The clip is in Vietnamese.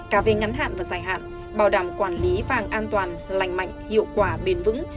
cả về ngắn hạn và dài hạn bảo đảm quản lý vàng an toàn lành mạnh hiệu quả bền vững